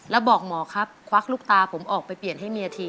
แล้วบอกหมอครับควักลูกตาผมออกไปเปลี่ยนให้เมียที